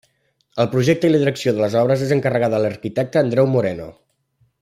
El projecte i la direcció de les obres és encarregada a l'arquitecte Andreu Moreno.